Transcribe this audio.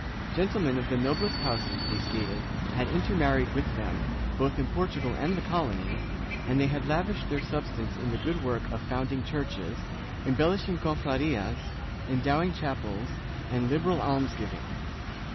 Gentlemen of the noblest houses, they stated, had intermarried with them, both in Portugal and the colonies, and they had lavished their substance in the good work of founding churches, embellishing cofradias, endowing chapels, and liberal almsgiving.